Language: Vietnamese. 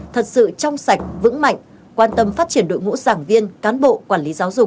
thật sự trong sạch vững mạnh quan tâm phát triển đội ngũ giảng viên cán bộ quản lý giáo dục